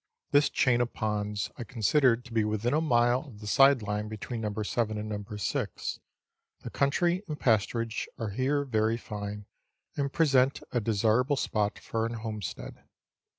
This chain of ponds I considered to be within a mile of the side line between No. 7 and No. 6. The country and pasturage are here very fine, and present a desirable spot for an homestead.